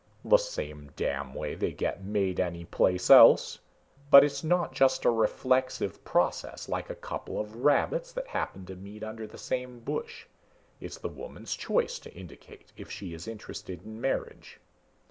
"The same damn way they get made any place else! But it's not just a reflexive process like a couple of rabbits that happen to meet under the same bush. It's the woman's choice to indicate if she is interested in marriage."